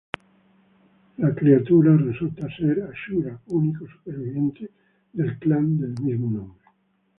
La criatura resulta ser Ashura, único superviviente del clan del mismo nombre.